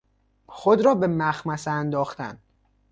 خود را به مخمصه انداختن